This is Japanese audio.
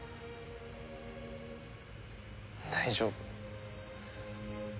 大丈夫。